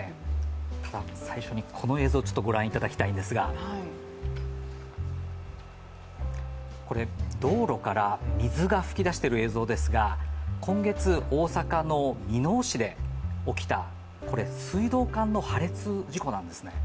最初にこの映像をご覧いただきたいんですが道路から水が噴き出している映像ですが今月、大阪の箕面市で起きた水道管の破裂事故なんですね。